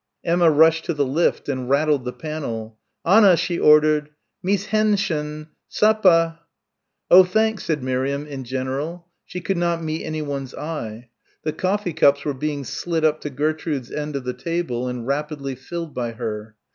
Emma rushed to the lift and rattled the panel. "Anna!" she ordered, "Meece Hendshon! Suppe!" "Oh, thanks," said Miriam, in general. She could not meet anyone's eye. The coffee cups were being slid up to Gertrude's end of the table and rapidly filled by her.